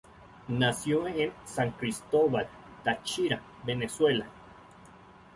Nació en San Cristóbal, Táchira, Venezuela.